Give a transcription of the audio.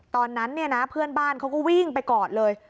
ตอนนั้นเนี่ยนะเพื่อนบ้านเขาก็วิ่งไปกอดเลย